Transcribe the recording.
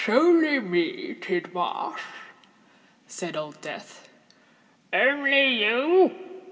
"It's only me, Tidmarsh," said Old Death. "Only you!"